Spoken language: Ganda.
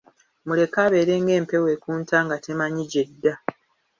Muleke abeere ng'empewo ekunta nga temanyi gy'edda.